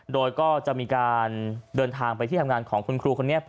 โดยก็จะมีการเดินทางไปที่ทำงานของคุณครูคนนี้